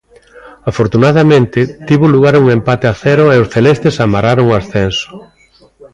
Afortunadamente, tivo lugar un empate a cero e os celestes amarraron o ascenso.